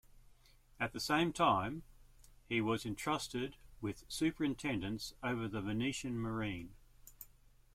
At the same time, he was entrusted with superintendence over the Venetian marine.